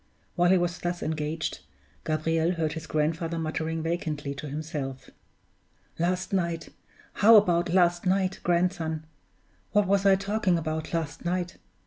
While he was thus engaged, Gabriel heard his grandfather muttering vacantly to himself, "Last night how about last night, grandson? What was I talking about last night?